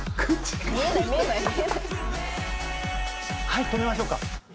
はい止めましょうか。